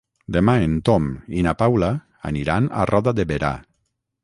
Demà en Tom i na Paula aniran a Roda de Berà.